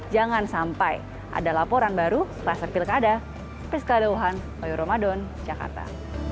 jangan sampai ada laporan baru setelah sepilkada